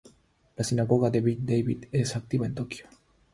La Sinagoga de Beth David es activa en Tokio.